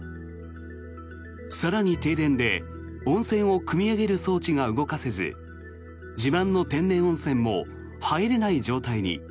更に、停電で温泉をくみ上げる装置が動かせず自慢の天然温泉も入れない状態に。